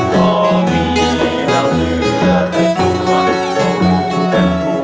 พอมีเหล้าเหลือเป็นผู้เป็นผู้